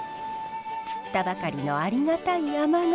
釣ったばかりのありがたいアマゴ。